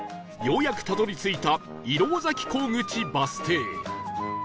ようやくたどり着いた石廊崎港口バス停